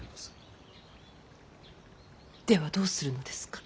ではどうするのですか。